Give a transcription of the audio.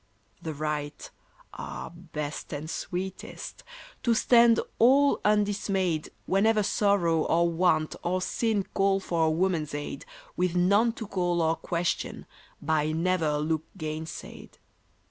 The right ah, best and sweetest! To stand all undismayed Whenever sorrow or want or sin Call for a woman's aid, With none to call or question, by never a look gainsaid.